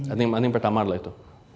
ini yang pertama adalah itu